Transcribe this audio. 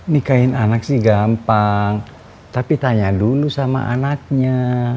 nikahin anak sih gampang tapi tanya lulu sama anaknya